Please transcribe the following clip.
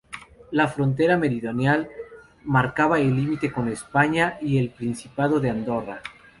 La frontera meridional marcaba el límite con España y el Principado de Andorra.